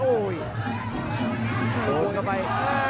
โอ้โหโดนเข้าไป